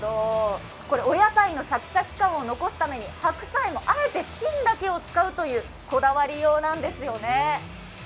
お野菜のシャキシャキ感を残すために、白菜もあえて芯だけを使うというこだわりようなんですよね。